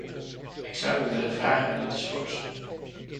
Ik zou u willen vragen nu te schorsen.